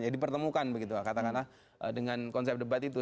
jadi pertemukan begitu katakanlah dengan konsep debat itu